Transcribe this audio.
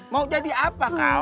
mau jadi apa kau